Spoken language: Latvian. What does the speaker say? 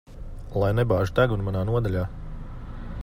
Lai nebāž degunu manā nodaļā.